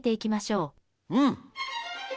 うん！